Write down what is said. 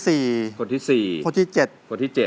สวัสดีครับ